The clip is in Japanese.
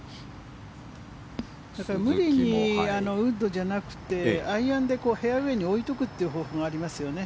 だから無理にウッドじゃなくてアイアンでフェアウェーに置いておくという方法がありますよね。